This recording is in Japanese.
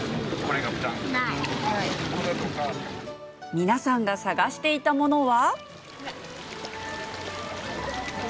皆さんが探していたものは。